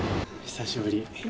久しぶり。